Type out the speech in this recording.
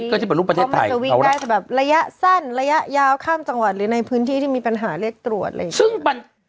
เพื่อที่เปิดรูปประเทศไทยจะวิ่งได้จะแบบระยะสั้นระยะยาวข้ามจังหวัดหรือในพื้นที่ที่มีปัญหาเรียกตรวจอะไรอย่างนี้